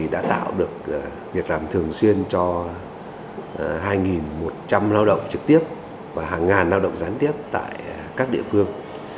đã tạo được việc làm thường xuyên cho hai một trăm linh lao động trực tiếp và hàng ngàn lao động gián tiếp tại các địa phương